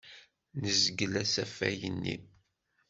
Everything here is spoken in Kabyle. Nezgel asafag-nni.